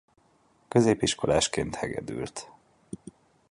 Középiskolásként hegedült.